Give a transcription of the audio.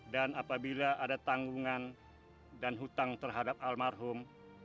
dan apabila ada tanggungan dan hutang terhadap almarhum